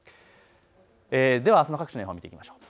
ではあすの各地の予報を見ていきましょう。